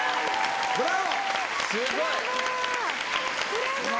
ブラボー！